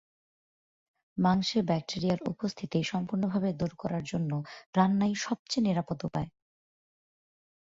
মাংসে ব্যাকটেরিয়ার উপস্থিতি সম্পূর্ণভাবে দূর করার জন্য রান্নাই সবচেয়ে নিরাপদ উপায়।